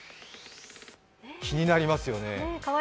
気になりますよね。